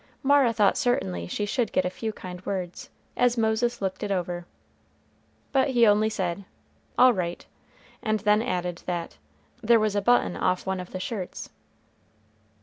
Mara thought certainly she should get a few kind words, as Moses looked it over. But he only said, "All right;" and then added that "there was a button off one of the shirts."